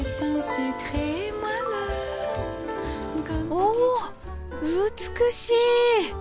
お美しい！